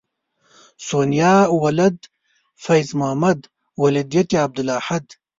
سونیا ولد فیض محمد ولدیت عبدالاحد